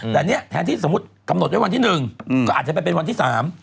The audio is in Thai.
แต่เนี่ยแทนที่สมมุติกำหนดไว้วันที่หนึ่งก็อาจจะไปเป็นวันที่สาม